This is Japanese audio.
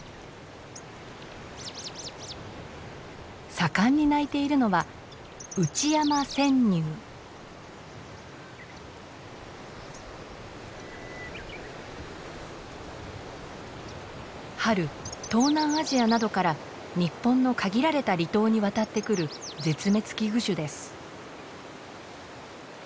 盛んに鳴いているのは春東南アジアなどから日本の限られた離島に渡ってくる絶滅危惧種です。